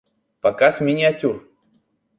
Показ миниатюр